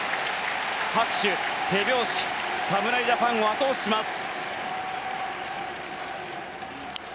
拍手、手拍子侍ジャパンを後押しします。